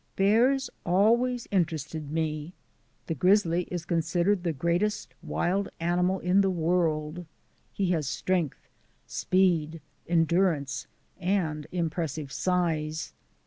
Bears always interested me. The grizzly is con sidered the greatest wild animal in the world. He has strength, speed, endurance, and impressive size.